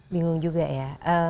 bingung juga ya